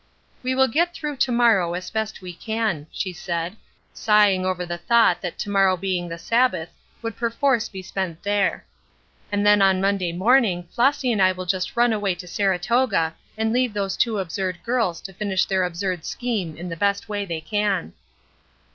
"We will get through to morrow as we best can," she said, sighing over the thought that to morrow being the Sabbath would perforce be spent there, "and then on Monday morning Flossy and I will just run away to Saratoga and leave those two absurd girls to finish their absurd scheme in the best way they can."